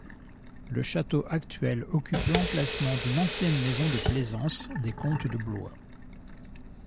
Le château actuel occupe l'emplacement d'une ancienne maison de plaisance des comtes de Blois.